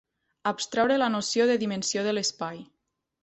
Abstreure la noció de dimensió de la d'espai.